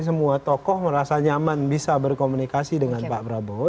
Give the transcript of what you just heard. semua tokoh merasa nyaman bisa berkomunikasi dengan pak prabowo